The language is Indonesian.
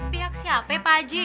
pihak siapa pak haji